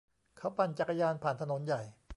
เขาปั่นจักรยานผ่านถนนใหญ่